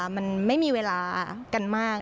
มันไม่มีเวลากันมาก